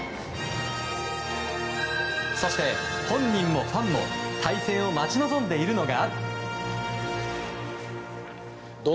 そして、本人もファンも対戦を待ち望んでいるのが。